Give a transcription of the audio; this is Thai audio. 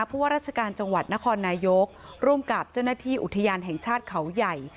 เพราะว่าราชการจังหวัดนครนายกร่วมกับเจ้าหน้าที่อุทยานแห่งชาติเขาใหญ่